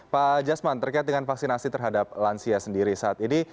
pak jasman terkait dengan vaksinasi terhadap lansia sendiri saat ini